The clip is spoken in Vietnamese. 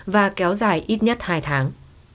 và kéo dài ít nhất hai tháng